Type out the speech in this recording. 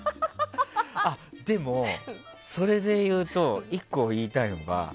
でも、それでいうと１個言いたいのが。